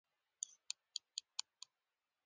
د څارویو ټول خویونه یې خپل کړي